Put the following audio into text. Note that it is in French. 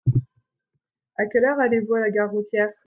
À quelle heure allez-vous à la gare routière ?